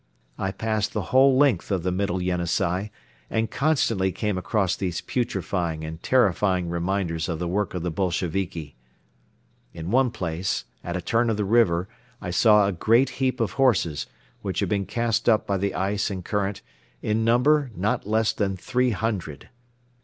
I passed the whole length of the middle Yenisei and constantly came across these putrifying and terrifying reminders of the work of the Bolsheviki. In one place at a turn of the river I saw a great heap of horses, which had been cast up by the ice and current, in number not less than three hundred.